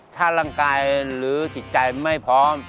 ถ้าร่างกายหรือจิตใจไม่พร้อม